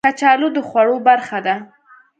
کچالو د خوړو برخه ده